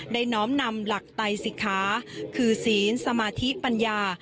ได้น้อมนำหลักไตสิทธิ์ค้าคือศีลสมาธิปัญญา